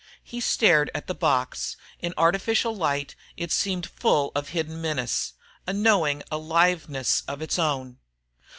He stared at the box; in the artificial light it seemed full of hidden menace, a knowing aliveness of its own....